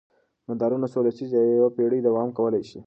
مدارونه څو لسیزې یا یوه پېړۍ دوام کولی شي.